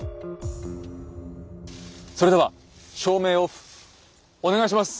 それでは照明オフお願いします。